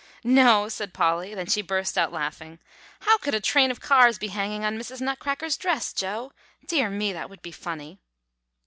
"No," said Polly. Then she burst out laughing, "How could a train of cars be hanging on Mrs. Nutcracker's dress, Joe? Dear me, that would be funny!"